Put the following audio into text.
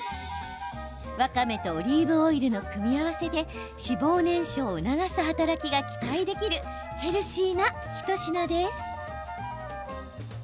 わかめとオリーブオイルの組み合わせで脂肪燃焼を促す働きが期待できるヘルシーな一品です。